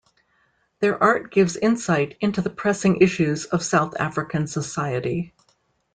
Their art gives insight into the pressing issues of South African society.